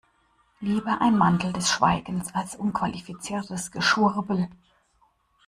Lieber ein Mantel des Schweigens als unqualifiziertes Geschwurbel.